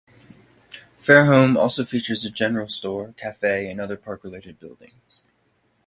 Fairholm also features a general store, cafe, and other park-related buildings.